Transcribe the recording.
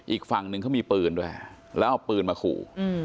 อีกฝั่งหนึ่งเขามีปืนด้วยแล้วเอาปืนมาขู่